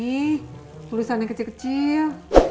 ini tulisan yang kecil kecil